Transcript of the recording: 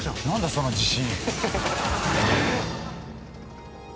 その自信。